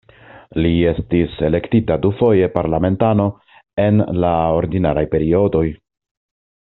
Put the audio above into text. Li estis elektita dufoje parlamentano en la ordinaraj periodoj.